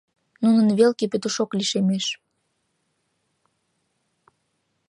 Нунын велке Петушок лишемеш.